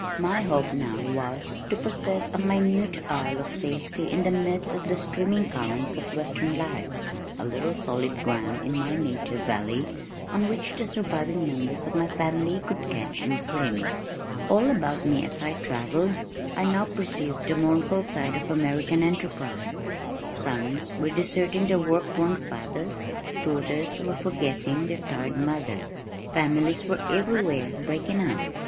My hope now was to possess a minute isle of safety in the midst of the streaming currents of western life a little solid ground in my native valley on which the surviving members of my family could catch and cling. All about me as I travelled, I now perceived the mournful side of American "enterprise." Sons were deserting their work worn fathers, daughters were forgetting their tired mothers. Families were everywhere breaking up.